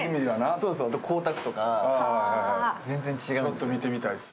ちょっと見てみたいです。